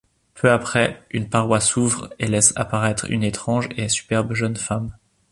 Peu après, une paroi s'ouvre et laisse apparaître une étrange et superbe jeune femme.